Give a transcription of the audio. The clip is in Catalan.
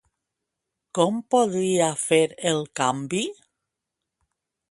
Com podria fer el canvi?